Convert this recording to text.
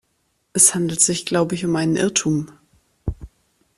Es handelt sich, glaube ich, um einen Irrtum.